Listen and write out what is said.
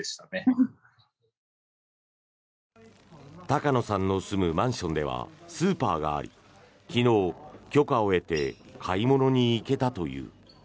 高野さんの住むマンションではスーパーがあり昨日、許可を得て買い物に行けたという。